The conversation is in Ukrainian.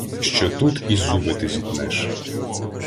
Що тут і зуби ти зітнеш.